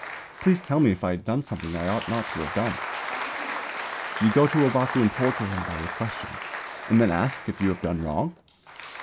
Please tell me if I did something I ought not to have done? Daigu: You go to Ōbaku and torture him by your questions, and then ask if you have done wrong!